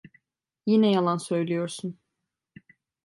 Yine yalan söylüyorsun.